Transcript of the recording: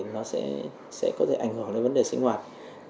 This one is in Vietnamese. nó sẽ có thể ảnh hưởng đến vấn đề sinh hoạt